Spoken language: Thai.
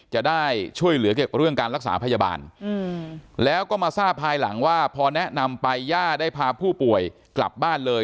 จะได้ช่วยเหลือเกี่ยวกับเรื่องการรักษาพยาบาลแล้วก็มาทราบภายหลังว่าพอแนะนำไปย่าได้พาผู้ป่วยกลับบ้านเลย